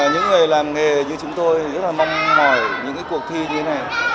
những người làm nghề như chúng tôi rất là mong mỏi những cuộc thi như thế này